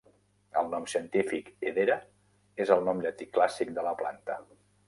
El nom científic "Hedera" és el nom llatí clàssic de la planta.